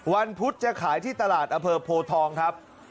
พุธจะขายที่ตลาดอเภอโพทองครับ